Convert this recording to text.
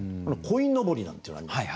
鯉のぼりなんていうのあります。